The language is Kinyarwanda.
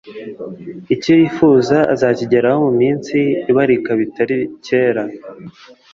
icyo yifuza azakigeraho mu minsi ibarika bitari cyera